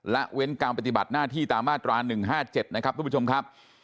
เว้นการปฏิบัติหน้าที่ตามมาตรา๑๕๗นะครับทุกผู้ชมครับ